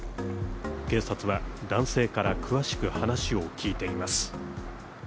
警察は、男性から詳しく話を聞いています。